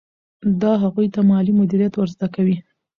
دا هغوی ته مالي مدیریت ور زده کوي.